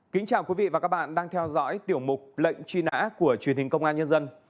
kính chào quý vị và các bạn đang theo dõi tiểu mục lệnh truy nã của truyền hình công an nhân dân